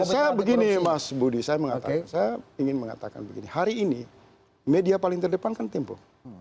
saya begini mas budi saya mengatakan saya ingin mengatakan begini hari ini media paling terdepan kan tempo